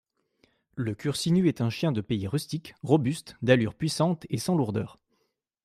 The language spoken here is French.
Le cursinu est un chien de pays rustique, robuste, d'allure puissante et sans lourdeur.